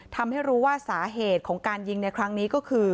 ทำให้รู้ว่าสาเหตุของการยิงในครั้งนี้ก็คือ